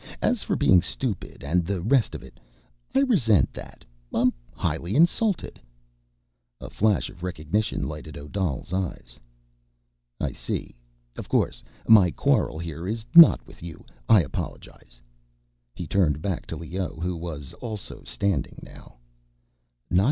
"As for being stupid, and the rest of it, I resent that. I am highly insulted." A flash of recognition lighted Odal's eyes. "I see. Of course. My quarrel here is not with you. I apologize." He turned back to Leoh, who was also standing now.